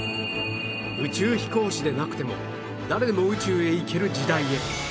宇宙飛行士でなくても誰でも宇宙へ行ける時代へ